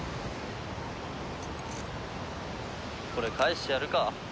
これ返してやるか。